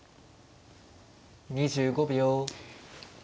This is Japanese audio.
２５秒。